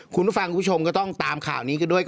คุณผู้ฟังคุณผู้ชมก็ต้องตามข่าวนี้กันด้วย